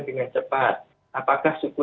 dengan cepat apakah suku